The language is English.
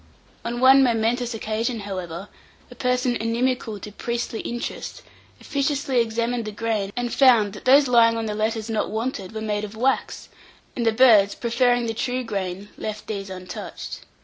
On one momentous occasion, however, a person inimical to priestly interest officiously examined the grain, and found that those lying on the letters not wanted were made of wax, and the birds, preferring the true grain, left these untouched.